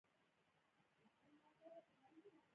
ځان شرمول